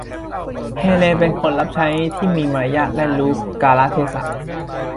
เฮเลนเป็นคนรับใช้ที่มีมารยาทและรู้กาลเทศะ